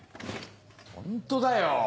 ホントだよ。